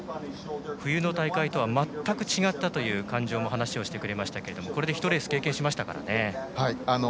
冬の大会と全く違ったと話をしてくれましたけどこれで１レース経験しましたからね。